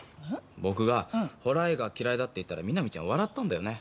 僕がホラー映画嫌いだって言ったら南ちゃん笑ったんだよね。